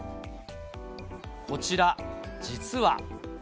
こちら、実は。